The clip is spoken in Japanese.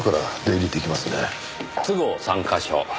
都合３カ所。